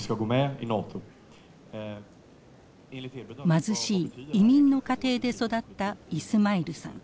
貧しい移民の家庭で育ったイスマイルさん。